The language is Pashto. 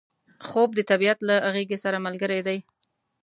خوب د طبیعت له غیږې سره ملګری دی